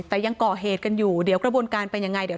แต่ยังก่อเหตุกันอยู่เดี๋ยวกระบวนการเป็นยังไงเดี๋ยว